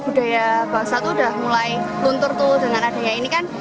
buat apa ya supaya kan budaya bahasa itu udah mulai luntur tuh dengan adanya ini kan